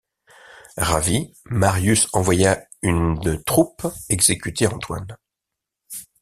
Ravi, Marius envoya une troupe exécuter Antoine.